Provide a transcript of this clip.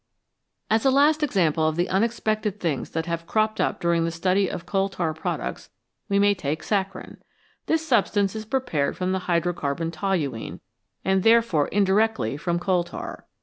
As a last example of the unexpected things that have cropped up during the study of coal tar products we may take saccharine. This substance is prepared from the hydrocarbon toluene, and therefore indirectly from coal tar.